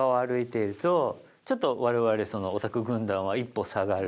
ちょっと我々そのオタク軍団は１歩下がる。